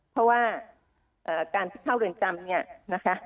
เพราะว่าการที่เข้าเรือนจำเนี่ยนะคะ